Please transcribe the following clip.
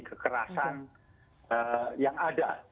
kekerasan yang ada